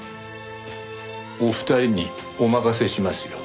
お二人にお任せしますよ。